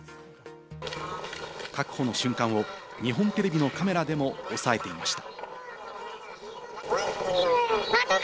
確保の瞬間を日本テレビのカメラでもおさえていました。